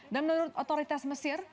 dan menurut otoritas mesir